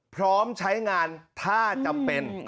พร้อมใช้งานถ้าจำเป็น